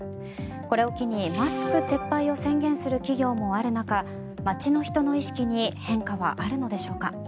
これを機にマスク撤廃を宣言する企業もある中街の人の意識に変化はあるのでしょうか。